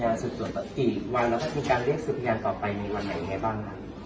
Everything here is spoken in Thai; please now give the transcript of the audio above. สบายสวัตดีที่วันแล้วถึงการเรียกสืบพยานต่อไปในวันไหนบ้าง